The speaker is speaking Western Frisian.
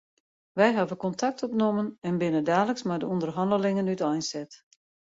Wy hawwe kontakt opnommen en binne daliks mei de ûnderhannelingen úteinset.